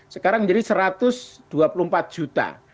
sekarang menjadi satu ratus dua puluh empat juta